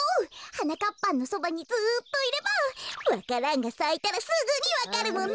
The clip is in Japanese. はなかっぱんのそばにずっといればわか蘭がさいたらすぐにわかるもんね。